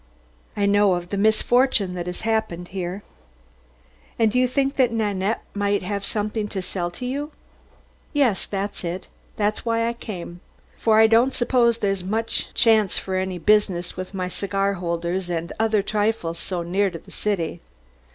"I know of the misfortune that has happened here." "And you think that Nanette might have something to sell to you?" "Yes, that's it; that's why I came. For I don't suppose there's much chance for any business with my cigar holders and other trifles here so near the city."